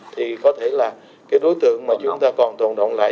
thì có thể là cái đối tượng mà chúng ta còn tổng đồng lại